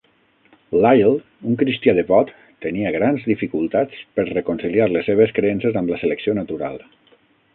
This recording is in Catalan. Lyell, un cristià devot, tenia grans dificultats per reconciliar les seves creences amb la selecció natural.